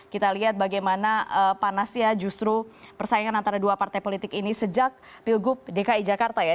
kita lihat bagaimana panasnya justru persaingan antara dua partai politik ini sejak pilgub dki jakarta ya